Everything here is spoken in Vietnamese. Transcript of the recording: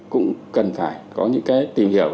cũng cần phải có những cái tìm hiểu